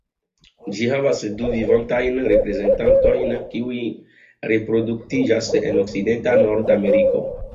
Ĝi havas du vivantajn reprezentantojn kiuj reproduktiĝas en okcidenta Nordameriko.